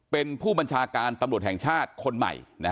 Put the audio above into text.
เป็นผู้บัญชาการตำรวจแห่งชาติคนใหม่